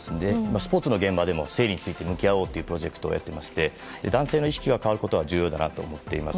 スポーツの現場でも整理に向き合おうというプロジェクトをしていまして男性の意識が変わることが重要だと思っています。